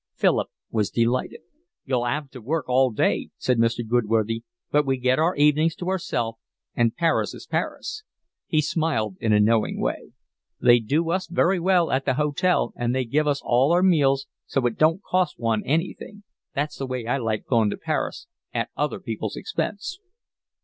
Philip was delighted. "You'll 'ave to work all day," said Mr. Goodworthy, "but we get our evenings to ourselves, and Paris is Paris." He smiled in a knowing way. "They do us very well at the hotel, and they give us all our meals, so it don't cost one anything. That's the way I like going to Paris, at other people's expense."